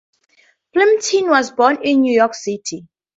Plimpton was born in New York City.